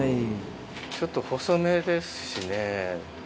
ちょっと細めですしね。